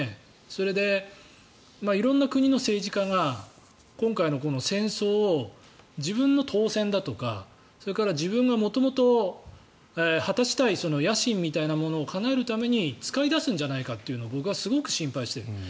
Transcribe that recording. それで、色々な国の政治家が今回の戦争を自分の当選だとかそれから自分が元々、果たしたい野心みたいなものをかなえるために使い出すんじゃないかというのを僕はすごく心配している。